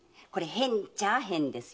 変っちゃあ変ですよ。